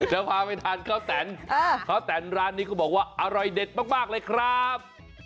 จะพาไปทานข้าวแตนข้าวแตนร้านนี้เขาบอกว่าอร่อยเด็ดมากเลยครับ